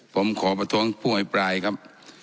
ผมขอประท้วงผู้อภิปรายครับ